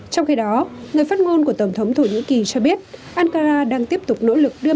trong khi đó người phát ngôn của tổng thống thổ nhĩ kỳ cho biết ankara đang tiếp tục nỗ lực đưa